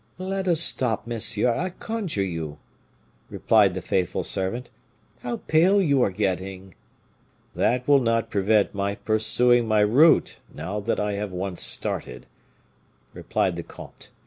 "Let us stop, monsieur I conjure you!" replied the faithful servant; "how pale you are getting!" "That will not prevent my pursuing my route, now I have once started," replied the comte.